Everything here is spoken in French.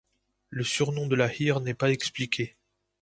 Le surnom de La Hire n'est pas expliqué.